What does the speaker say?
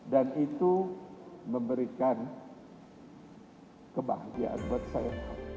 dan itu memberikan kebahagiaan buat saya